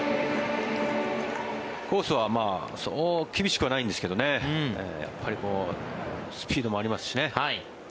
コースはそう厳しくはないんですけどねスピードもありますしね。